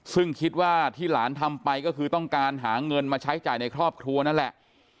ซึ่งคิดว่าที่หลานทำไปก็คือต้องการหาเงินมาใช้จ่ายในครอบครัวนั่นแหละ